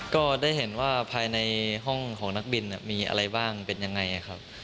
ก็ได้เห็นว่าภายในห้องของนักบินมีอะไรบ้างเป็นยังไงครับ